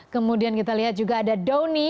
kemudian kita lihat juga ada doni